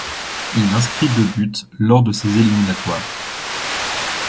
Il inscrit deux buts lors de ces éliminatoires.